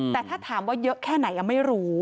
แต่ถ้าถามว่าเยอะแค่ไหนไม่รู้